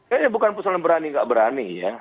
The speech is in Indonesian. kayaknya bukan persoalan berani nggak berani ya